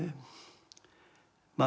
まあ